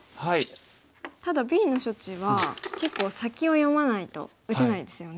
ただＢの処置は結構先を読まないと打てないですよね。